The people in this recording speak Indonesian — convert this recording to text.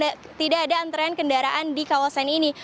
terlihat bahwa tidak ada antrean kendaraan di kawasan ini